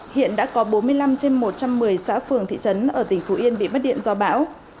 hiện đã có bốn mươi năm trên một trăm một mươi xã phường thị trấn ở tỉnh phú yên bị mất điện do bão